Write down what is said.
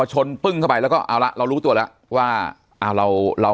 ชนปึ้งเข้าไปแล้วก็เอาละเรารู้ตัวแล้วว่าอ้าวเราเรา